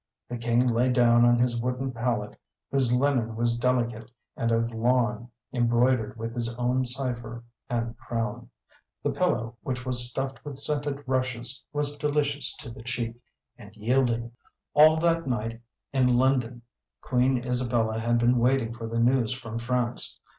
The King lay down on his wooden pallet, whose linen was delicate and of lawn, embroidered with his own cipher and crown. The pillow, which was stuffed with scented rushes, was delicious to the cheek, and yielding. All that night in London Queen Isabella had been waiting for the news from France.